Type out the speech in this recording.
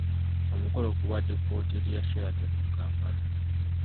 Omukolo gubadde ku wooteeri ya Sheraton mu Kampala.